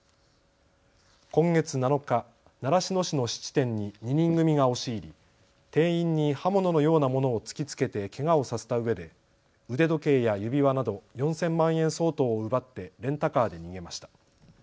今月７日、習志野市の質店に２人組が押し入り店員に刃物のようなものを突きつけてけがをさせたうえで腕時計や指輪など４０００万円相当を奪ってレンタカーで逃げました。